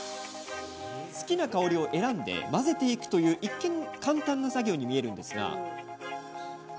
好きな香りを選んで混ぜていくという一見簡単な作業に見えるんですが。